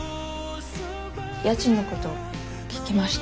家賃のこと聞きました。